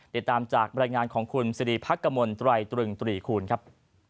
ติดตามจากบรรยายงานของคุณสิริพักกมลตรายตรึงตรีคูณครับ